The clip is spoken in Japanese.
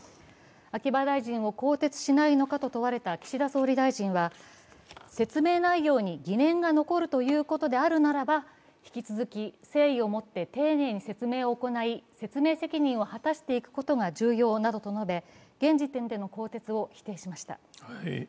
秋葉大臣を更迭しないのかと問われた岸田総理大臣は、説明内容に疑念があるということならば引き続き誠意を持って丁寧に説明を行い、説明責任を果たしていくことが重要などと述べ現時点での更迭を否定しました。